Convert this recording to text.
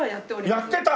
やってた！